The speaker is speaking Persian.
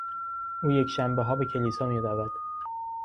او یکشنبهها به کلیسا میرود.